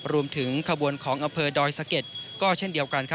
รวมถึงขบวนของอำเภอดอยสะเก็ดก็เช่นเดียวกัน